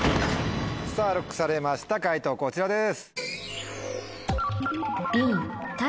さぁＬＯＣＫされました解答こちらです。